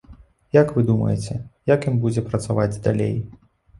Як вы думаеце, як ён будзе працаваць далей?